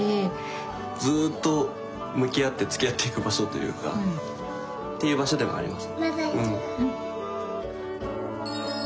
ずっと向き合って付き合っていく場所というかっていう場所でもあります。